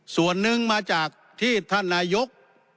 ส่วนนึงมาจากที่ท่านนายก